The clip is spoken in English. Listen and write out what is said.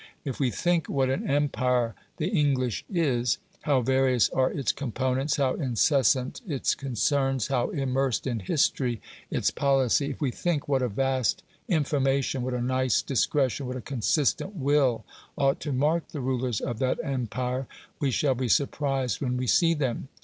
If we think what an empire the English is, how various are its components, how incessant its concerns, how immersed in history its policy; if we think what a vast information, what a nice discretion, what a consistent will ought to mark the rulers of that empire, we shall be surprised when we see them.